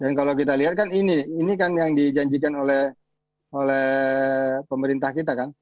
dan kalau kita lihat kan ini ini kan yang dijanjikan oleh pemerintah kita kan